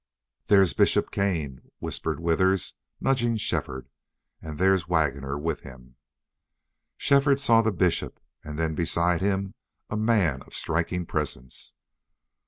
"There's Bishop Kane," whispered Withers, nudging Shefford. "And there's Waggoner with him." Shefford saw the bishop, and then beside him a man of striking presence.